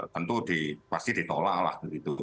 tentu pasti ditolak lah begitu